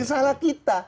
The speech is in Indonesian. yang salah kita